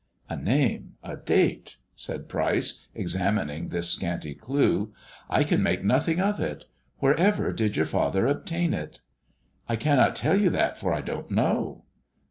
" A name, a date," said Pryce, examining this scanty clue. " I can make nothing of it. Wherever did your father obtain it ]"" I cannot tell you that, for I don't know."